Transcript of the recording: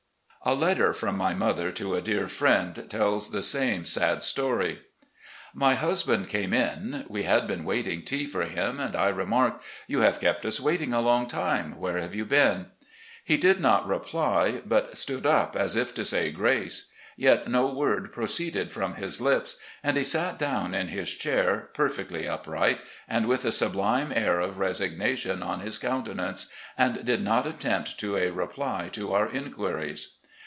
A letter from my mother to a dear friend tells the same sad story: "... My husband came in. We had been waiting tea for him, and I remarked: 'You have kept us waiting 440 RECOLLECTIONS OF GENERAL LEE a long time. Where have you been ?' He did not reply, but stood up as if to say grace. Yet no word proceeded from his lips, and he sat down in his chair perfectly upright and with a sublime air of resignation on his countenance, and did not attempt to a reply to our inquiries.